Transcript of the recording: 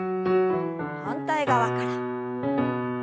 反対側から。